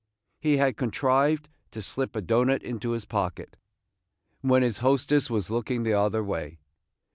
He had contrived to slip a doughnut into his pocket, when his hostess was looking the other way.